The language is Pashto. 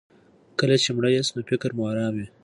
کله چې مړه یاست نو فکر مو ارام وي.